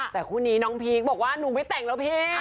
แต่คู่นี้น้องพีคบอกว่าหนูไม่แต่งแล้วพี่